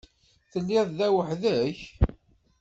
Telliḍ da weḥd-k?